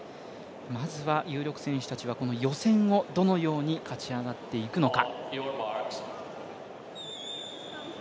まずは有力選手たちはこの予選をどのように勝ち上がっていくのか。